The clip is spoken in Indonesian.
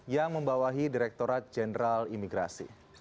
yang membawahi direkturat jenderal imigrasi